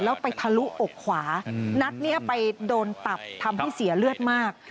แล้วไปทะลุอกขวานัดนี้ไปโดนตับทำให้เสียเลือดมาก